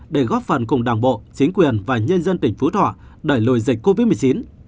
để góp phần cùng đảng bộ chính quyền và nhân dân tỉnh phú thọ đẩy lùi dịch covid một mươi chín